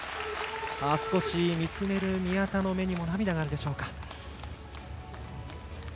少し見つめる宮田の目にも涙があるでしょうか。